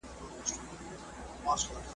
بنګړي د بل بنګړي خبرو کې خبره وکړه